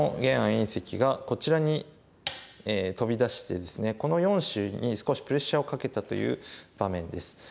因碩がこちらにトビ出してですねこちらの４子に少しプレッシャーをかけたという場面です。